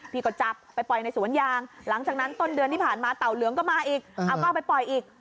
ก็จับไปปล่อยในสวนยางหลังจากนั้นต้นเดือนที่ผ่านมาเต่าเหลืองก็มาอีกเอาก็เอาไปปล่อยอีก